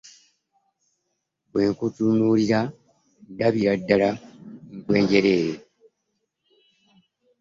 Bwe nkutunuulira ndabira ddala nkwe njereere.